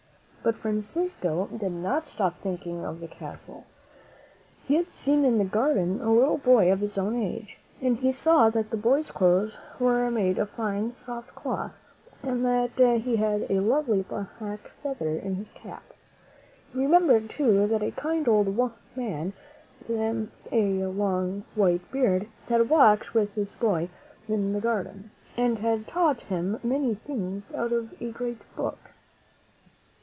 But Francisco did not stop thinking of the castle. He had seen in the garden a little boy of his own age, and he saw that the boy's clothes were made of fine, soft cloth, and that he had a lovely black feather in his cap. He remembered, too, that a kind old man, with a long white beard, had walked with this boy in the garden, and had taught him many things out of a great book.